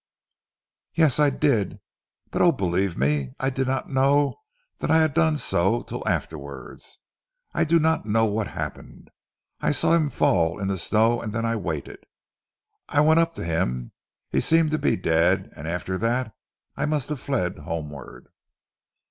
"Yes, I did. But, oh, believe me, I I did not know that I had done so till afterwards. I do not know what happened.... I saw him fall in the snow, and I waited. Then I went up to him. He seemed to be dead and after that I must have fled homeward."